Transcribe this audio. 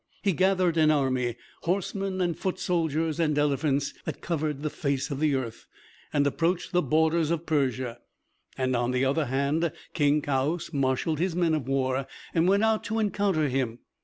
He gathered an army, horsemen and foot soldiers and elephants, that covered the face of the earth, and approached the borders of Persia; and, on the other hand, King Kaoüs marshaled his men of war and went out to encounter him.